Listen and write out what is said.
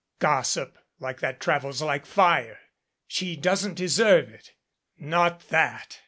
Gossip like that travels like fire. And she doesn't deserve it not that.